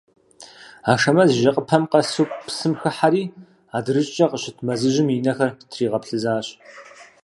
Ашэмэз и жьэпкъыпэм къэсу псым хыхьэри, адырыщӏкӏэ къыщыт мэзыжьым и нэхэр тригъэплъызащ.